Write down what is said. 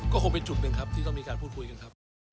ก็คงเป็นจุดหนึ่งครับที่ต้องมีการพูดคุยกันครับ